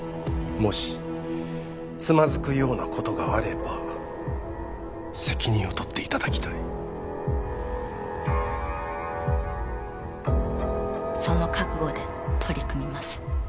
もしつまずくようなことがあれば責任を取っていただきたいその覚悟で取り組みます